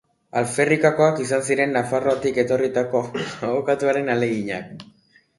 Alferrikakoak izan ziren Nafarroatik etorritako abokatuaren ahaleginak.